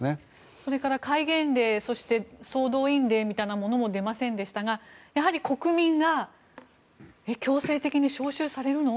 それから戒厳令総動員令みたいなものも出ませんでしたがやはり国民が強制的に招集されるの？